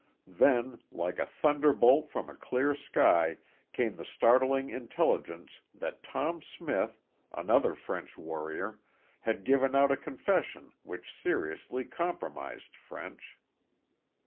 Then, like a thunderbolt from a clear sky, came the startling intelligence that Tom Smith, another French warrior, had given out a confession which seriously compromised French.